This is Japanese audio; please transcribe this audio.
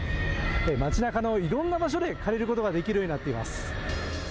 町なかのいろんな場所で借りることができるようになっています。